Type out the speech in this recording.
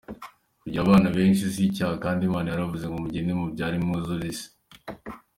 Kugira abana benshi si icyaha kandi Imana yaravuze ngo mugende mubyare mwuzure isi.